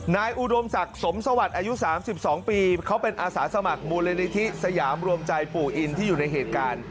อุดมศักดิ์สมสวัสดิ์อายุ๓๒ปีเขาเป็นอาสาสมัครมูลนิธิสยามรวมใจปู่อินที่อยู่ในเหตุการณ์